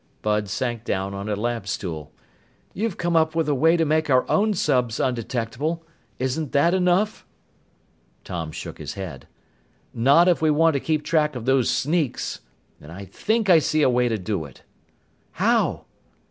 Bud sank down on a lab stool. "You've come up with a way to make our own subs undetectable. Isn't that enough?" Tom shook his head. "Not if we want to keep track of those sneaks. And I think I see a way to do it." "How?"